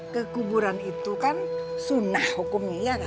kekuburan itu kan sunnah hukumnya